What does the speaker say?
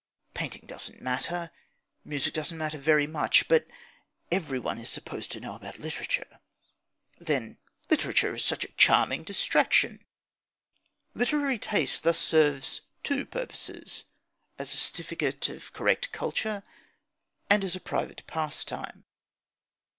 Painting doesn't matter; music doesn't matter very much. But "everyone is supposed to know" about literature. Then, literature is such a charming distraction! Literary taste thus serves two purposes: as a certificate of correct culture and as a private pastime.